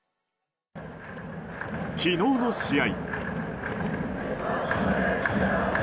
昨日の試合。